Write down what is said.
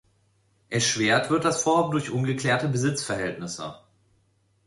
Erschwert wird das Vorhaben durch ungeklärte Besitzverhältnisse.